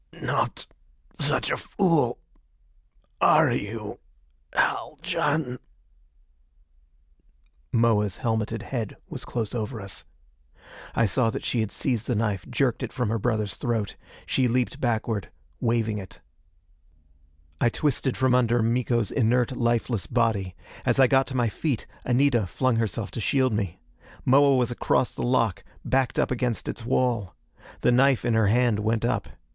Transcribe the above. "Not such a fool are you, Haljan " Moa's helmeted head was close over us. I saw that she had seized the knife, jerked it from her brother's throat. She leaped backward, waving it. I twisted from under Miko's inert, lifeless body. As I got to my feet, Anita flung herself to shield me. Moa was across the lock, backed up against its wall. The knife in her hand went up.